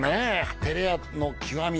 てれ屋の極み